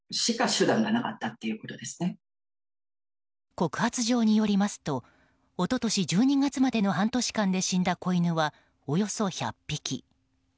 告発状によりますと一昨年１２月までの半年間で死んだ子犬はおよそ１００匹。